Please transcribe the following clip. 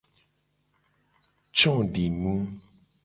Codinu.